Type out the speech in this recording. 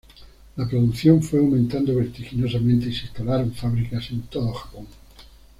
La producción fue aumentando vertiginosamente y se instalaron fábricas en todo Japón.